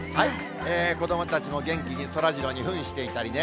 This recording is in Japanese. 子どもたちも元気にそらジローにふんしていたりね。